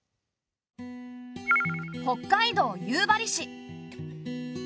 北海道夕張市。